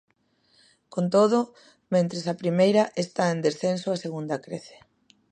Con todo, mentres a primeira está en descenso, a segunda crece.